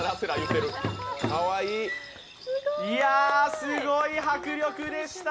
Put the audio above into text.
いや、すごい迫力でした。